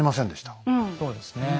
そうですね。